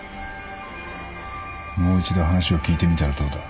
もう一度話を聞いてみたらどうだ？